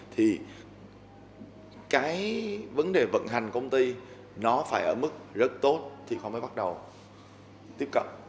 thì cái vấn đề vận hành công ty nó phải ở mức rất tốt thì khoa mới bắt đầu tiếp cận